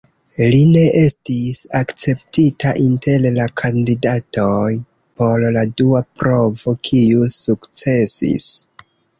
Li ne estis akceptita inter la kandidatoj por la dua provo, kiu sukcesis.